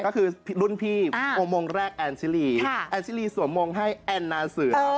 ก็คือรุ่นพี่อุโมงมงแรกแอนซิลีแอนซิลีสวมมงให้แอนนาเสือ